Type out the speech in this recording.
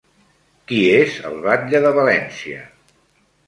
Qui és el batlle de València?